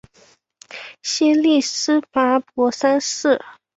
曷利沙跋摩三世。